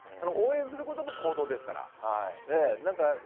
応援することも行動ですから。